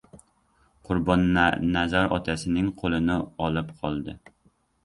Qurbonnazar otasining qo‘lini olib qoldi.